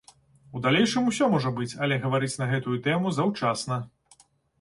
У далейшым усё можа быць, але гаварыць на гэтую тэму заўчасна.